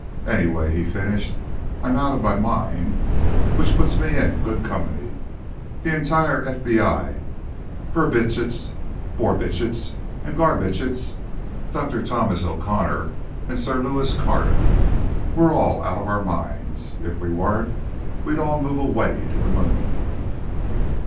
"Anyway," he finished, "I'm out of my mind. Which puts me in good company. The entire FBI, Brubitsch, Borbitsch, Garbitsch, Dr. Thomas O'Connor and Sir Lewis Carter—we're all out of our minds. If we weren't, we'd all move away to the moon."